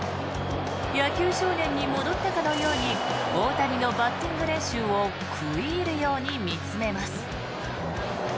野球少年に戻ったかのように大谷のバッティング練習を食い入るように見つめます。